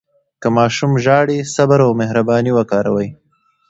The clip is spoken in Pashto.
که ماشوم ژاړي، صبر او مهرباني وکاروئ.